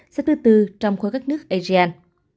xếp thứ bốn trong khối các nước aegean